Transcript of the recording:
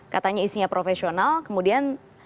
katanya isinya profesional kemudian